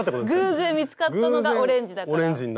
偶然見つかったのがオレンジだから。